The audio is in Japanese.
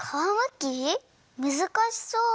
むずかしそう。